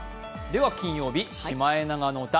では金曜日、「シマエナガの歌」